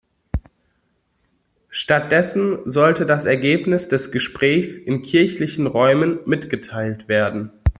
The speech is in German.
Stattdessen sollte das Ergebnis des Gesprächs in kirchlichen Räumen mitgeteilt werden.